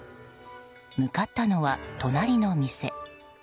向かったのは隣の店。